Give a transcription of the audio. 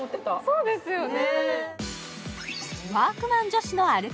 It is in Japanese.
そうですね